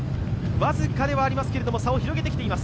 僅かではありますが差を広げてきております。